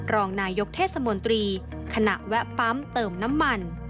รองนายกเทศมนตรีขณะแวะปั๊มเติมน้ำมัน